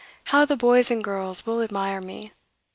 how the boys and girls will admire me!